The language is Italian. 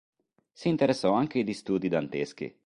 Si interessò anche di studi danteschi.